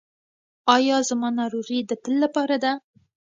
ایا زما ناروغي د تل لپاره ده؟